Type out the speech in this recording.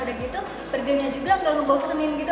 ada gitu burgernya juga enggak membawa penin gitu